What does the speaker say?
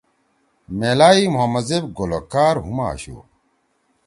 میلائی محمد زیب گلوکار ہُم آشُو۔